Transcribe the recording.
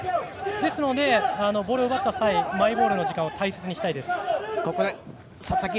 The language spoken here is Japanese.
ですので、ボールを奪った際マイボールの時間を大切にしたいです。